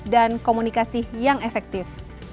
komunikasi yang efektif